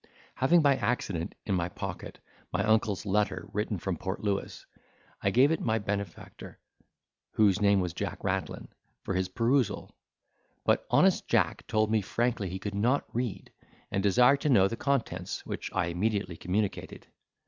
Having by accident, in my pocket, my uncle's letter, written from Port Louis, I gave it my benefactor (whose name was Jack Rattlin) for his perusal; but honest Jack told me frankly he could not read, and desired to know the contents, which I immediately communicated.